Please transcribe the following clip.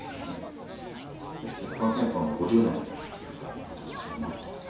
そしてこの憲法も５０年僕たちはそれを持ってきた。